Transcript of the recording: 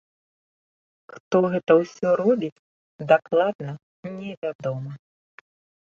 Хто гэта ўсё робіць, дакладна не вядома.